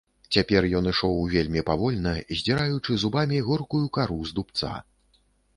Цяпер ён ішоў вельмі павольна, здзіраючы зубамі горкую кару з дубца.